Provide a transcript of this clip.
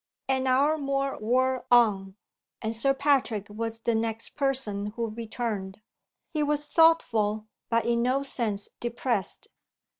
An hour more wore on; and Sir Patrick was the next person who returned. He was thoughtful, but in no sense depressed.